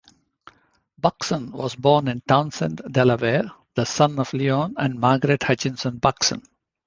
Buckson was born in Townsend, Delaware, the son of Leon and Margaret Hutchison Buckson.